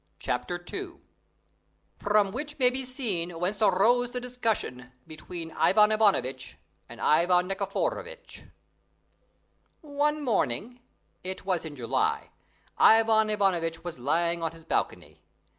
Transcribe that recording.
CHAPTER II FROM WHICH MAY BE SEEN WHENCE AROSE THE DISCUSSION BETWEEN IVAN IVANOVITCH AND IVAN NIKIFOROVITCH One morning it was in July Ivan Ivanovitch was lying on his balcony.